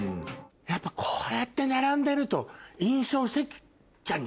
やっぱこうやって並んでると。